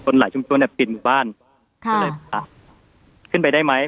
คนหลายชุมชนปิดบ้านขึ้นไปได้ไหม